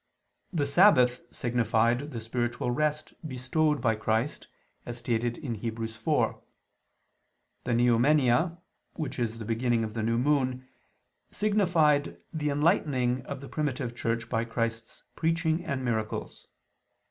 The Sabbath signified the spiritual rest bestowed by Christ, as stated in Heb. 4. The Neomenia, which is the beginning of the new moon, signified the enlightening of the primitive Church by Christ's preaching and miracles.